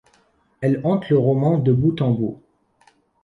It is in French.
Elle hante le roman de bout en bout.